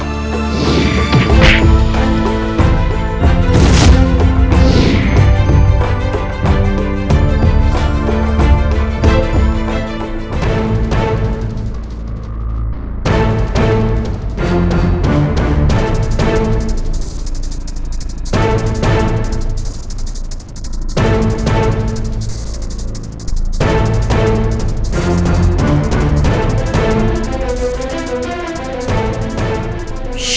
harus nyoundai itu